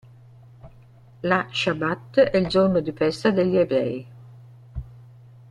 Lo Shabbat è il giorno di festa degli ebrei.